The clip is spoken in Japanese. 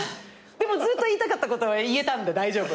ずっと言いたかったことを言えたんで大丈夫。